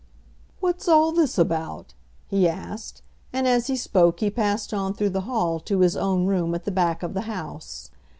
"What's all this about?" he asked, and as he spoke he passed on through the hall to his own room at the back of the house.